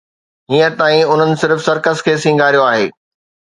هينئر تائين انهن صرف سرڪس کي سينگاريو آهي.